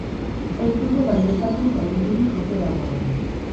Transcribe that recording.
Ez dute baieztatu zauriturik ote dagoen.